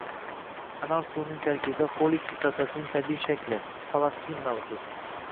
Anor suvining tarkibida foliy kislotasining tabiiy shakli – folatsin mavjud.